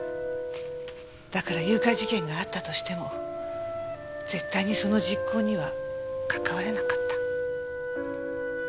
だから誘拐事件があったとしても絶対にその実行には関われなかった。